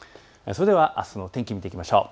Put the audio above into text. それではあすの天気を見ていきましょう。